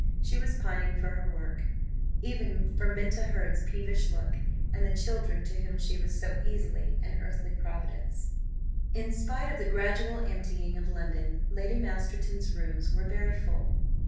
She was pining for her work; pining even for Minta Hurd's peevish look, and the children to whom she was so easily an earthly providence. In spite of the gradual emptying of London, Lady Masterton's rooms were very full.